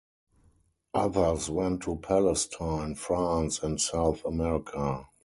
Others went to Palestine, France and South America.